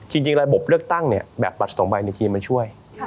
หือจริงอะไรบบเลือกตั้งเนี่ยแบบบัตรสองใบหนึ่งจริงมันช่วย